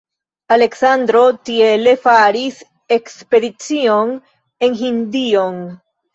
Aleksandro tiele faris ekspedicion en Hindion.